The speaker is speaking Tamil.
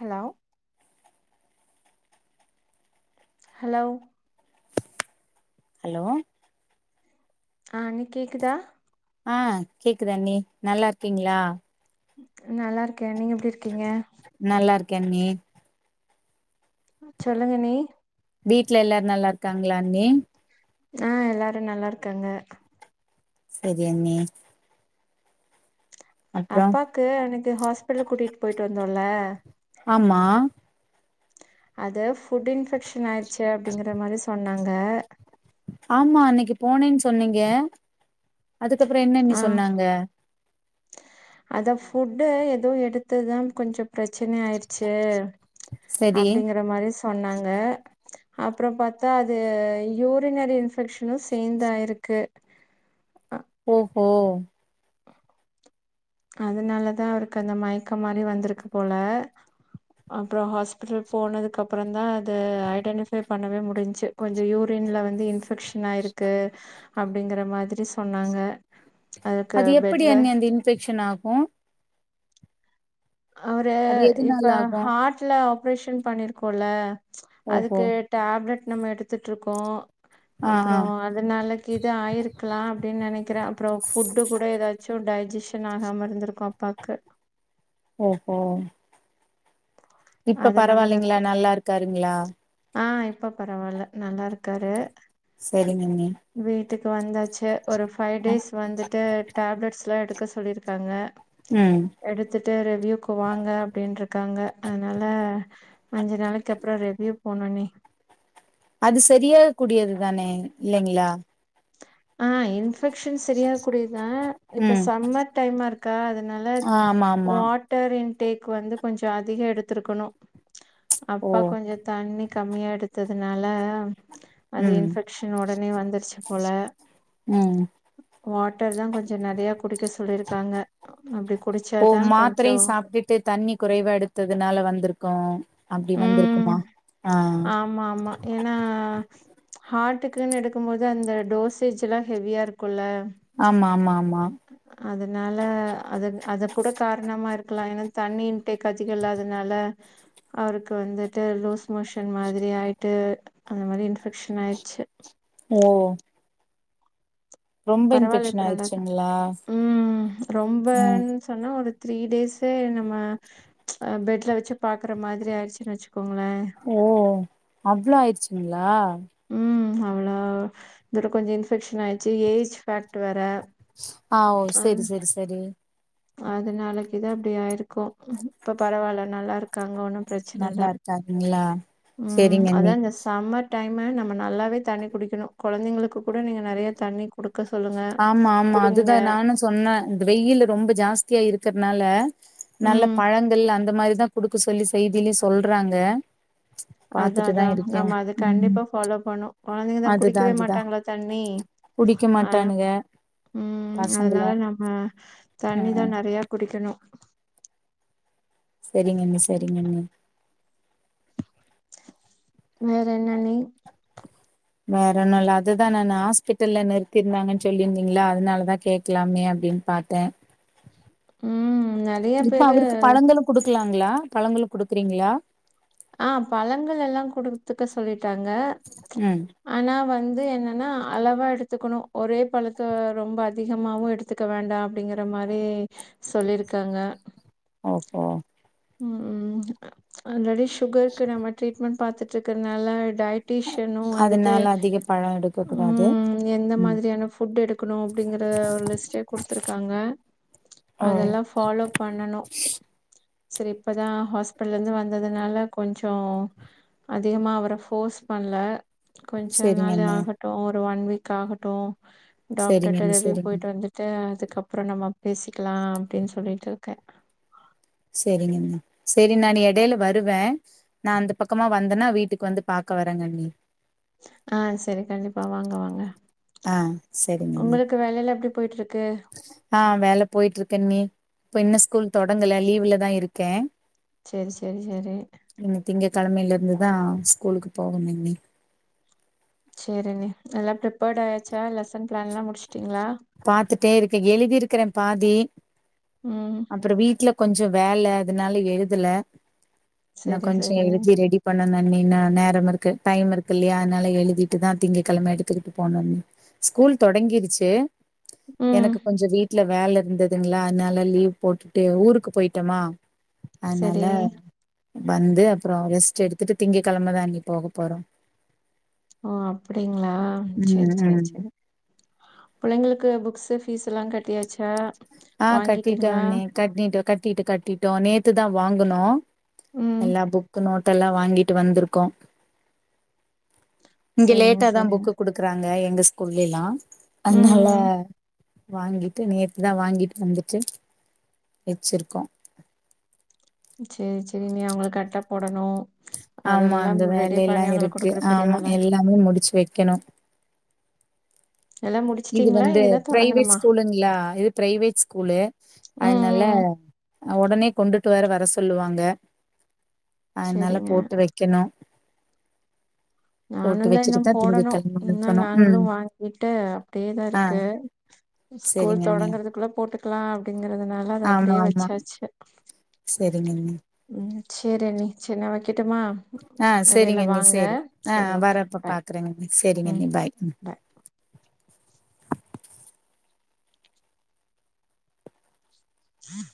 ஹலோ ஹலோ ஹலோ அ அண்ணி கேக்குதா ஆ கேக்குது அண்ணி நல்லா இருக்கீங்ளா நல்லா இருக்க நீங்க எப்டி இருக்கீங்க நல்லா இருக்கேஒ அண்ணி சொல்லுங்க அண்ணி வீட்டல எல்லாரு நல்லா இருக்காங்ளா அண்ணி ஆ எல்லாரு நல்லா இருக்காங்க செரி அண்ணி அப்றோ அப்பாக்கு அன்னைக்கு ஹாஸ்பிட்டல் கூட்டிட்டு போயிட்டு வந்தோல ஆமா அது ஃபுட் இன்ஃபெக்க்ஷன் ஆயிடுச்சு அப்டிங்கற மாரி சொன்னாங்க ஆமா அன்னைக்கு போனேன் சொன்னீங்க அதுக்கப்றோ என்ன அண்ணி சொன்னாங்க அத ஃபுட்டு ஏதோ எடுத்ததுதா கொஞ்சோ பிரச்சனை ஆய்டுச்சு சரி அப்டிங்கற மாரி சொன்னாங்க அப்றோ பார்த்தா அது யூரினரி இன்ஃபெக்க்ஷனு சேர்ந்து ஆயிருக்கு ஓஹோ அதனாலதா அவருக்கு அந்த மயக்க மாரி வந்துருக்கு போல அப்றோ ஹாஸ்பிட்டல் போனதுக்கு அப்பற தா அது ஐடென்டிஃபை பண்ணவே முடிஞ்சு கொஞ்ச யூரின்ல வந்து இன்ஃபெக்ஷன் ஆயிருக்கு அப்டிங்கிற மாரி சொன்னாங்க அதுக்கு அது எப்டி பெட்ல அண்ணி அந்த இன்ஃபெக்ஷன் ஆகு அவரு அது எதுனால இப்ப ஆகு ஹார்ட்ல ஆப்ரேஷன் பண்ணிருக்கோல ஓஹோ அதுக்கு டேப்லெட் நம்ம எடுத்துட்டு இருக்கோ ஆ ஆ அப்றோ அதுனாளக்கீது ஆயிருக்லா அப்டின்னு நெனைக்கிற அப்புறம் ஃபுட்டு கூட ஏதாச்சு டைஜிஷன் ஆகாம இருந்திருக்கு அப்ப பாக்க ஓஹோ இப்ப அதனாலதா பரவால்லைங்ளா இருக்கு நல்லா இருக்காருங்ளா ஆ இப்ப பரவால்ல நல்லா இருக்காரு செரிங்க அண்ணி வீட்டுக்கு வந்தாச்சு ஒரு ஃபைவ் அ டேஸ் வந்துட்டு டேப்லெட்ஸ்லா எடுக்க சொல்லிருக்காங்க ம் எடுத்துட்டு ரிவ்யூக்கு வாங்க அப்டின்ட்ருக்காங்க அதுனால அஞ்சு நாளைக்கு அப்றோ ரெவ்யூ போனு அண்ணி அது செரியாக கூடியது தானே இல்லைங்ளா ஆ இன்ஃப் ஃபெக்க்ஷன் செரியாக கூடியதுதா இப்ப ம் சம்மர் டைமா இருக்கா அதனால ஆமா ஆமா வாட் ட்டர் இன் டேக் வந்து கொஞ்ச அதிக எடுத்திருக்கணு ஓ அப்பா கொஞ்ச தண்ணி கம்மியா எடுத்ததுனால அது ம் இன்ஃபெக்க்ஷன் ஒடனே வந்துருச்சு போல ம் வாட்டர் தா கொஞ்ச நெறையா குடிக்க சொல்லிருக்காங்க அப்டி கு ஓ மாத்தரையு சாப்ட்டுட்டு தண்ணி குறைவா எடுத்ததுனால வந்திருக்கு அப்டி ம் வந்திருக்குமா ஆ ஆமா ஆமா ஏன்னா ஹார்ட்டுக்குன்னு எடுக்கும் போது அந்த டோசேஜெல்லா ஹெவியா இருக்குல்ல ஆமாம்மாம்மா அதனால அது அதக் கூட காரணமா இருக்கலா ஏனா தண்ணின் டெகஜிகள் இல்லாதனால அவருக்கு வந்துட்டு லூஸ் மோஷன் மாதிரி ஆயிட்டு அந்த மாரி இன்ஃபெக்க்ஷன் ஆயிருச்சு ஓ ரொம்ப பரவால்ல இன்ஃபெக்ஷன் இப்ப நல்லா இருக்காங் ஆயிருச்சுங்களா ம் ம் ரொம்பன் சொன்னா ஒரு த்ரீ டேஸே நம்ம அ பெட்ல வெச்சு பாக்குற மாதிரி ஆயிருச்சுன் வச்சுக்கோங்களே ஓ அவ்ளோ ஆயிருச்சுங்ளா ம் அவ்ளோ இதோட கொஞ்ச இன்ஃபெக்ஷன் ஆயிருச்சு ஏஜ் ஃபேக்ட் வேற ஆ ஓ சேரி சேரி சேரி அதுனாலைக்குதா இப்டி ஆயிருக்கு இப்ப பரவால்ல நல்லா இருக்காங்க ஒன்னு பிரச்சன இல்ல நல்லா இருக்காருங்களா ம் செரிங்க அதா அண்ணி இந்த ஸ் சம்மர் டைமு நம்ம நல்லாவே தண்ணி குடிக்கணு கொழந்தைங்களுக்கு கூட நீங்க நெறையா தண்ணி குடுக்க சொல்லுங்க குடுங்கெ சொன்னா இந்த வெயிலு ரொம்ப ஜாஸ்தியா இருக்கிறனால நல்ல ம் பழங்கள் அந்த மாரிதா குடுக்க சொல்லி செய்திலயு சொல்றாங்க அதா பாத்துட்டுதா அதா இருக்கே நம்ம அத ம் கண்டிப்பா ஃபாலோ பண்ணு கொழந்தைங்க தா அதுதா குடிக்கவே அதுதா மாட்டாங்கள தண்ணி குடிக்க மாட் அ ம் அதனால நம்ம ஆ தண்ணிதா நெறையா குடிக்கணு செரிங்கண்ணி செரிங்கண்ணி வேற என்னண்ணி வேற ஒன்னு இல்ல அதுதா நானு ஹாஸ்பிட்டல்ல நிறுத்திருந்தாங்கன் சொல்லிருந்தீங்ளா அதனால தா கேக்கலாமே அப்டின்னு பாத்தே [inaudible] ம் நெறைய இப்ப அவருக்கு பேரு பழங்களு குடுக்குலாங்ளா பழங்களு குடுக்குறீங்குளா ஆ பழங்கள் எல்லா குடுத்துக்க சொல்லிட்டாங்க ம் ஆனா வந்து என்னனா அளவா எடுத்துக்குணு ஒரே பழத்த ரொம்ப அதிகமாவு எடு த்துக்க வேண்டா அப்டிங்கற மாரி சொல்லிருக்காங்க ஓகே ம் ஆல்ரெடி சுகர்க்கு நம்ம ட்ரீட்மெண் பாத்துட்ருக்கற்னால டயட்ரீஷ் அதுனால அதிக பழோ எடுக்க கூடாது ம் எந்த ம் மாதிரியான ஃபுட் எடுக்கணு அப்டிங்கிற ஒரு லிஸ்ட்டே குடுத்துருக்காங்க ஓ அதெல்லா ஃபாலோ பண்ணணு செரி இப்பதா ஹாஸ்பிடல் இருந்து வந்ததுனால கொஞ்சோ அதிகமா அவர ஃபோர்ஸ் பண்ல கொஞ்ச சரிங்க நாளு அண்ணி ஆகட்டு ஒரு ஒன் வீக் ஆகட்டு சரிங்க டாக்டர்ட்ட அண்ணி ரெவ்யு சரிங்க போய்ட்டு வந்து ட்டு அதுக்கப்றோ நம்ம பேசிக்குலா அப்டின் சொல்லிட்ருக்கே செரிங்கமா செரின் நானு எடைல வருவேன் நான் அந்த பக்கமா வந்தனா வீட்டுக்கு வந்து பாக்க வரேங் அண்ணி ஆ செரி கண்டிப்பா வாங்க வாங்க ஆ சரிங்க அண்ணி உங்குளுக்கு வேலலா எப்டி போய்ட்ருக்கு ஆ வேலை போயிட்ருக் அண்ணி இப்ப இன்ன ஸ்கூல் தொடங்கல லீவுலதா இருக்கே சேரி சேரி சேரி இன்னு திங்க கெழமைல இர்ந்துதா ஸ்கூலுக்கு போகணும்னி சேரி அண்ணி எல்லா ப்ரிப்பேர்டு ஆயாச்சா லெசன் பிளான்லா முடிஸ்டிங்ளா பாத்துட்டே இருக்கே எழுதிருக்கிறன் பாதி ம் அப்புறோ வீட்ல கொஞ்சோ வேல அதுனால எழுதுல இன்னு சரி கொஞ்சு சரி எழுதி ரெடி பண்ணுன் அண்ணி நா நேரம் இருக்கு டைம் இருக்கு இல்லையா அதுனால எழுதிட்டுதா திங்க கெழம எடுத்துக்கிட்டு போணு அண்ணி ஸ்கூல் தொடங்கிருச்சு ம் எனக்கு கொஞ்சோ வீட் ட்ல வேலை இருந்ததுங்ளா அதுனால லீவ் போட்டுட்டு ஊருக்கு போய்ட்டமா அதுனால சரி வந்து அப்புறோ ரெஸ்ட் எடுத்துட்டு திங்க கெழமதா அண்ணக போக போறோ ஓ அப்டிங்ளா சேரி ம் சேரி ம் சேரி பிள்ளைங்களுக்கு புக்ஸு ஃபீஸெல்லா கட்டியாச்சா ஆஹ் கட்டிட்டோ வாங்கிட்டீங்களா அண்ணி கட்டிட்டோ கட்டிட்டு கட்டிட்டோ நேத்துதா வாங்குனோ ம் எல்லா புக்கு நோட்டெல்லா வாங்கிட்டு வந்திருக்கோ இங்க சேரிங்க லேட்டாதா சேரிங்க புக்கு குடுக்குறாங்க எங்க ஸ்கூல்லேலா ம் அதுனால ம் வாங்கிட்டு நேத்துதா வாங்கிட் வந்துட்டு வச்சிருக்கோ சேரி சேரி இனி அவுங்ளுக் அட்ட போடணு ஆமா அதெல்லா அந்த ரெடி வேலைலா பண்ணி அவங்களுக்கு இருக்கு குடுக்குற பெரிய ஆமா வேல எல்லாமே முடிச்சு வைக்கணு எல்லா இது முடிச்சுட்டீங்களா வந்து இனிதா பிரைவேட் தொடங்கணுமா ஸ்கூலுங்ளா இது பிரைவேட் ஸ்கூலு ம் அதுனால ம் ம் ஒடனே கொண்டுட்டு வேற வர சொல்லுவாங்க அதுனால சேரிங்க போட்டு வைக் கெணு நானுந்தா இன்னு போடணு இன்னு நாங்களு ம் வாங் கிட்டு அப்டியேதா ஆ இருக்கு ஸ்கூல் சரிங்க அண்ணி தொடங்குறதுக்குள்ள போட்டுக்குலா அப்டிங்கறதுனால அது அப்டியே வச்சாச்சு செரிங்கண்ணி ம் சேரி அண்ணி சேர் நா வைக்கட்டுமா ஆ இடையில செரிங்க அண்ணி வாங்க செரி ஆ சேரி ஓகே வரப்ப பாய் பாக்குறேங்க அண்ணி செரிங்க ம் அண்ணி பாய் உஹம்